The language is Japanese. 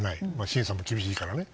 審査も厳しいからね。